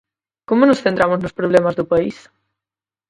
¿Como nos centramos nos problemas do país?